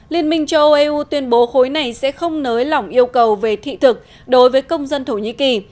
liên minh châu âu eu tuyên bố khối này sẽ không nới lỏng yêu cầu về thị thực đối với công dân thổ nhĩ kỳ